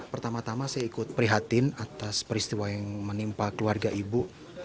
pertama tama saya ikut prihatin atas peristiwa yang menimpa keluarga ibu